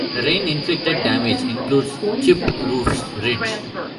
The rain-inflicted damage includes chipped roof's ridge.